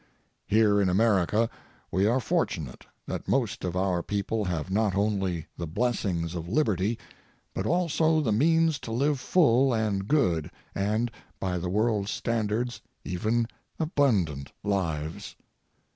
Here in America, we are fortunate that most of our people have not only the blessings of liberty but also the means to live full and good and, by the world's standards, even abundant lives.